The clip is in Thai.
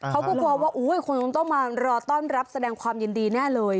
เขาก็กลัวว่าคุณคงต้องมารอต้อนรับแสดงความยินดีแน่เลย